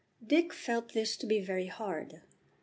Dick felt this to be very hard.